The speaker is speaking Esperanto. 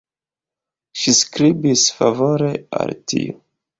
Ŝi skribis favore al tiu.